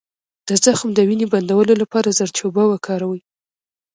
د زخم د وینې بندولو لپاره زردچوبه وکاروئ